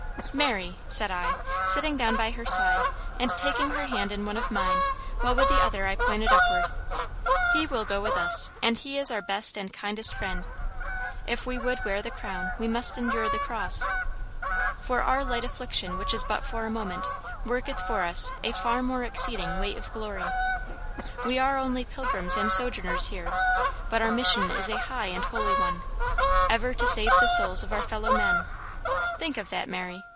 "Mary," said I; sitting down by her side, and taking her hand in one of mine, while with the other I pointed upward, "He will go with us, and He is our best and kindest friend. If we would wear the crown, we must endure the cross. 'For our light affliction, which is but for a moment, worketh for us a far more exceeding weight of glory.' We are only pilgrims and sojourners here; but our mission is a high and holy one ever to save the souls of our fellow men. Think of that, Mary.